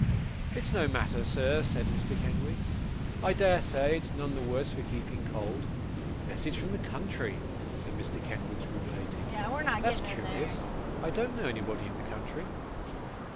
'It's no matter, sir,' said Mr. Kenwigs. 'I dare say it's none the worse for keeping cold. Message from the country!' said Mr. Kenwigs, ruminating; 'that's curious. I don't know anybody in the country.